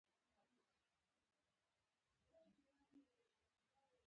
ـ چې عقل نه لري هېڅ نه لري.